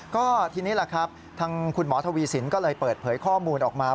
ก็ทีนี้แหละครับทางคุณหมอทวีสินก็เลยเปิดเผยข้อมูลออกมา